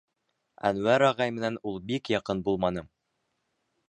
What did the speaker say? Әнүәр ағай менән ул бик яҡын булманы.